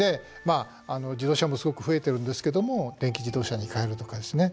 自動車もすごく増えているんですけども電気自動車に変えるとかですね